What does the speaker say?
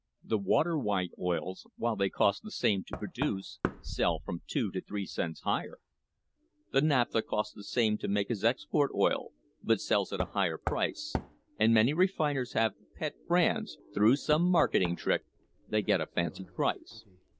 The water white oils, while they cost the same to produce, sell from two to three cents higher. The naphtha costs the same to make as export oil, but sells at a higher price, and many refiners have pet brands, for which, through some THE PRICE OF OIL marketing trick, they get a fancy price.